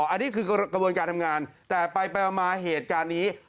อันนี้คือกระบวนการทำงานแต่ไปมาเหตุการณ์นี้